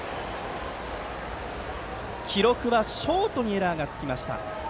記録はショートにエラーがつきました。